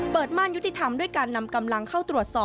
ม่านยุติธรรมด้วยการนำกำลังเข้าตรวจสอบ